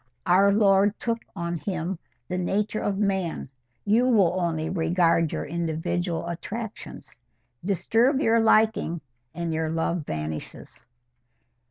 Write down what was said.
Our Lord took on Him the nature of man: you will only regard your individual attractions. Disturb your liking and your love vanishes."